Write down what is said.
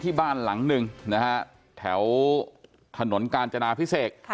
ที่บ้านหลังนึงแถวถนนกาญจนาพิเศษ